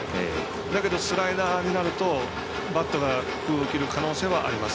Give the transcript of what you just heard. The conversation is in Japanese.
だけどスライダーになるとバットが空を切る可能性はあります。